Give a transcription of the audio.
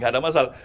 tidak ada masalah